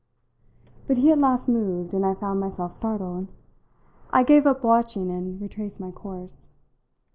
But he at last moved, and I found myself startled. I gave up watching and retraced my course.